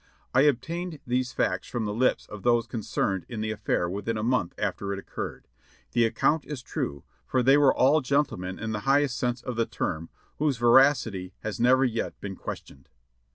I obtained these facts from the lips of those concerned in the affair within a month after it occurred ; the account is true, for they were all gentlemen in the highest sense of the term, whose ver acity has never yet been questioned.